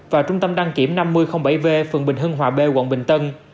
và trung tâm đăng kiểm năm mươi bảy v phường bình hưng hòa b quận bình tân